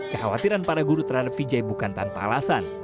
kekhawatiran para guru terhadap vijay bukan tanpa alasan